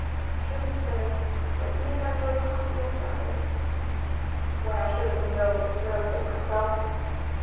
"True, sir, but you made that joy possible for others." "When I should have known the thrill of it myself.